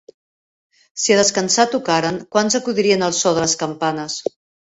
Si a descansar tocaren, quants acudirien al so de les campanes.